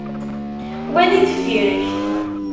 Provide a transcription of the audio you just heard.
Wali deffir-ik.